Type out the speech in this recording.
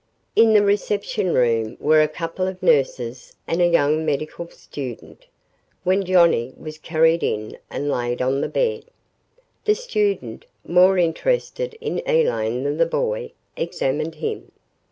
In the reception room were a couple of nurses and a young medical student, when Johnnie was carried in and laid on the bed. The student, more interested in Elaine than the boy, examined him.